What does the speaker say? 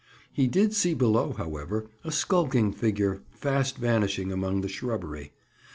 He did see below, however, a skulking figure fast vanishing among the shrubbery.